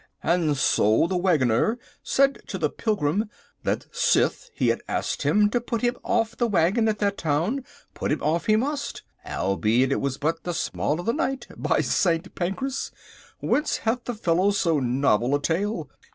and so the wagoner said to the Pilgrim that sith he had asked him to put him off the wagon at that town, put him off he must, albeit it was but the small of the night—by St. Pancras! whence hath the fellow so novel a tale?